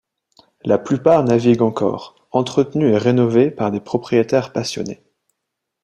La plupart naviguent encore, entretenus et rénovés par des propriétaires passionnés.